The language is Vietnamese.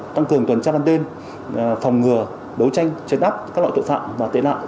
tăng cường tuần tra lưu động phòng ngừa đấu tranh chấn áp các loại tội phạm và tệ nạn